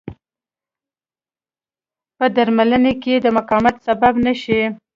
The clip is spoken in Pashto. په درملنه کې د مقاومت سبب نه شي.